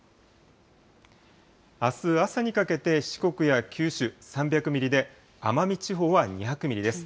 あす朝にかけて、四国や九州、３００ミリで、奄美地方は２００ミリです。